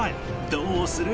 どうする？